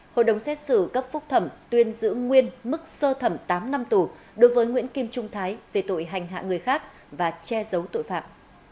hội đồng xét xử cấp phúc thẩm tuyên giữ nguyên mức sơ thẩm tám năm tù đối với nguyễn kim trung thái về tội hành hạ người khác và che giấu tội phạm